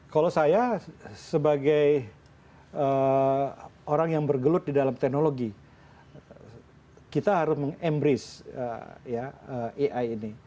kalau saya sebagai orang yang bergelut di dalam teknologi kita harus meng embrace ai ini